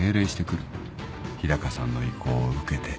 日高さんの意向を受けて。